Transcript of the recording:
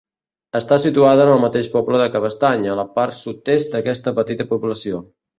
Està situada en el mateix poble de Cabestany, a la part sud-est d'aquesta petita població.